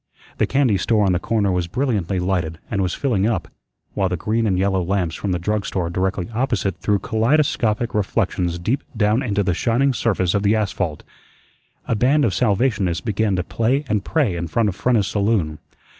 The candy store on the corner was brilliantly lighted and was filling up, while the green and yellow lamps from the drug store directly opposite threw kaleidoscopic reflections deep down into the shining surface of the asphalt. A band of Salvationists began to play and pray in front of Frenna's saloon.